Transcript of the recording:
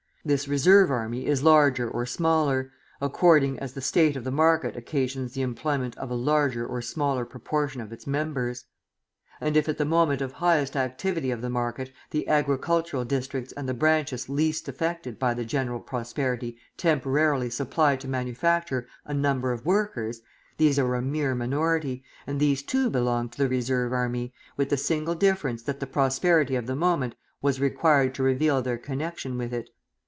This reserve army is larger or smaller, according as the state of the market occasions the employment of a larger or smaller proportion of its members. And if at the moment of highest activity of the market the agricultural districts and the branches least affected by the general prosperity temporarily supply to manufacture a number of workers, these are a mere minority, and these too belong to the reserve army, with the single difference that the prosperity of the moment was required to reveal their connection with it.